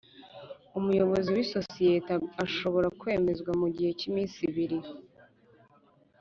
Umuyobozi w’isosiyete ashobora kwemezwa mu gihe cy’iminsi ibiri